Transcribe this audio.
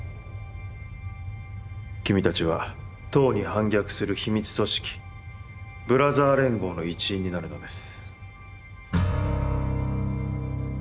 君たちは党に反逆する秘密組織ブラザー連合の一員になるのです。